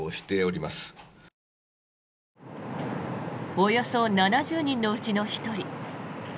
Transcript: およそ７０人のうちの１人。